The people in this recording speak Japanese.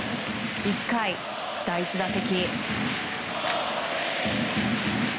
１回、第１打席。